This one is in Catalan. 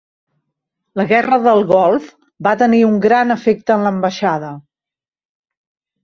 La Guerra del Golf va tenir un gran efecte en l'ambaixada.